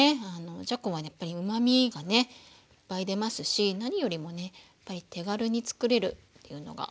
じゃこはやっぱりうまみがねいっぱい出ますし何よりもねやっぱり手軽に作れるっていうのがいいですよね。